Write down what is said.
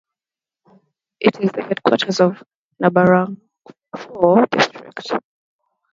It is the headquarters of Nabarangpur district.